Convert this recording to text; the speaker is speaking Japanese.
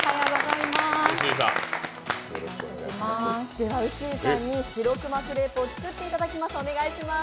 では碓井さんにシロクマクレープを作っていただきます。